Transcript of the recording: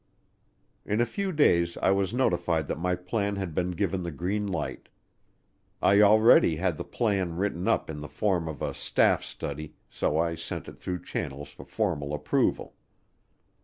In a few days I was notified that my plan had been given the green light. I already had the plan written up in the form of a staff study so I sent it through channels for formal approval.